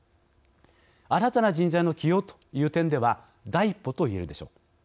新たな人材の起用という点では第一歩といえるでしょう。